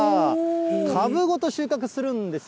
株ごと収穫するんですよ。